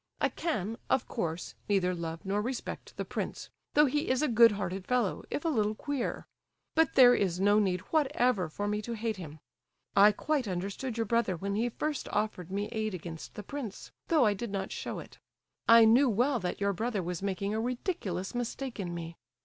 I can, of course, neither love nor respect the prince, though he is a good hearted fellow, if a little queer. But there is no need whatever for me to hate him. I quite understood your brother when he first offered me aid against the prince, though I did not show it; I knew well that your brother was making a ridiculous mistake in me.